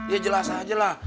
ya jelas aja lah